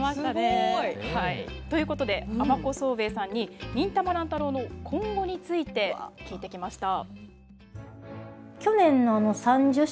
すごい！はいということで尼子騒兵衛さんに「忍たま乱太郎」の今後について聞いてきました。